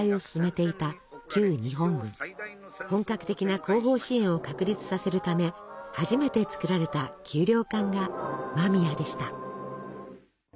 本格的な後方支援を確立させるため初めて作られた給糧艦が間宮でした。